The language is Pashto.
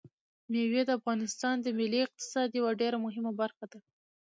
مېوې د افغانستان د ملي اقتصاد یوه ډېره مهمه برخه ده.